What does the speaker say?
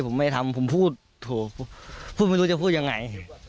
ผมไม่ทำผมพูดถูกพูดไม่รู้จะพูดยังไง